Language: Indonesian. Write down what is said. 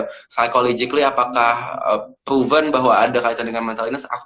psychologically apakah proven bahwa ada kaitan dengan mental illness